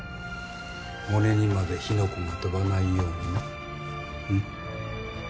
俺にまで火の粉が飛ばないようになうん？